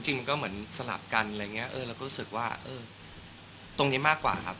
มันก็เหมือนสลับกันอะไรอย่างนี้เราก็รู้สึกว่าตรงนี้มากกว่าครับ